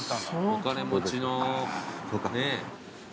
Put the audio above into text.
お金持ちのねえ。